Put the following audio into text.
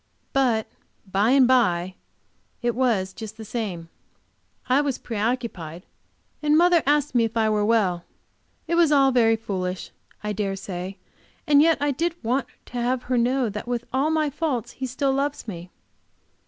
But "by and by" it was just the same. I was preoccupied, and mother asked me if I were well. It was all very foolish I dare say, and yet I did want to have her know that with all my faults he still loves me.